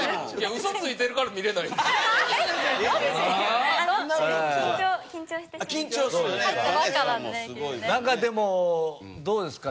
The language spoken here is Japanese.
うそついてるから見れないんでしょ。